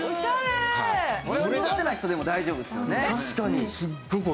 これは苦手な人でも大丈夫ですよね。